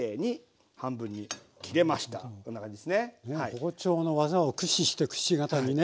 包丁の技を駆使してくし形にね。